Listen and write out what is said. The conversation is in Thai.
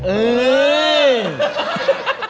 เออ